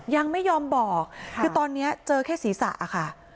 ยังไม่ยอมบอกคือตอนนี้เจอแค่ศีรษะค่ะ